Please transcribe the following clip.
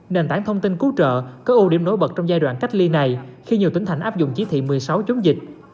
nền tảng thông tin cứu trợ có ưu điểm nổi bật trong giai đoạn cách ly này khi nhiều tỉnh thành áp dụng chỉ thị một mươi sáu chống dịch